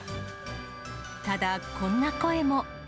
ただ、こんな声も。